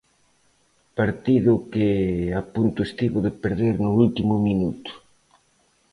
Partido que a punto estivo de perder no último minuto.